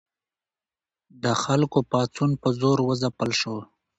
د خلکو پاڅون په زور وځپل شو.